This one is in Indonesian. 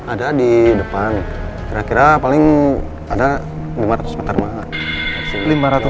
ada di depan kira kira paling ada lima ratus meter mbak